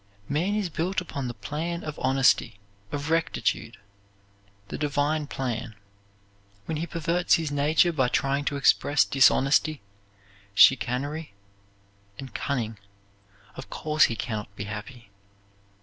Man is built upon the plan of honesty, of rectitude the divine plan. When he perverts his nature by trying to express dishonesty, chicanery, and cunning, of course he can not be happy.